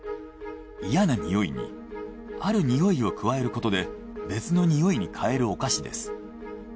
嫌なにおいにあるにおいを加えることで別のにおいに変えるお菓子です。